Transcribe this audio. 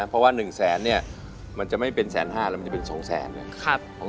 เพราะว่า๑แสนมันจะไม่เป็น๑๕แสนมันจะเป็น๒แสน